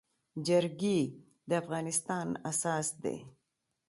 جرګي د افغانستان اساس دی.